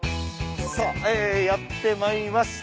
さあやってまいりました。